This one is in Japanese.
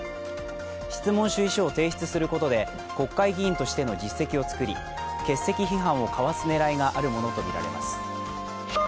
質問主意書を提出することで国会議員としての実績をつくり欠席批判をかわすねらいがあるものとみられます。